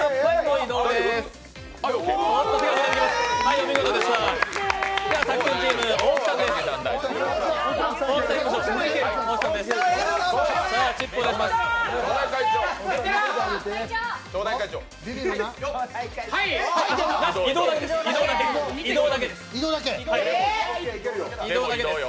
移動だけです。